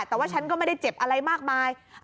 แต่ว่าฉันก็ไม่ได้เจ็บอะไรมากมาย